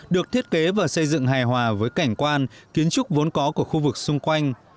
được thiết kế và xây dựng hài hòa với cảnh quan kiến trúc vốn có của khu vực xung quanh